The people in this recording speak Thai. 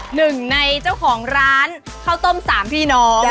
หนึ่งในเจ้าของร้านข้าวต้มสามพี่น้อง